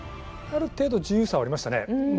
ある程度自由さはありましたね。